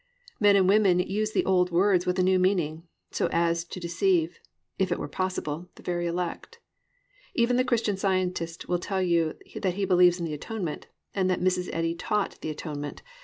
Men and women use the old words with a new meaning; so as to deceive, if it were possible, the very elect. Even the Christian Scientist will tell you he believes in the Atonement, and that Mrs. Eddy taught the Atonement.